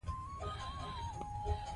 هغه وويل چې تاريخ له دروغو ډک دی.